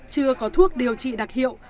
chưa có thuốc điều trị đặc hiệu